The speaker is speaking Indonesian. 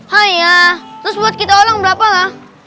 haiya terus buat kita orang berapa gak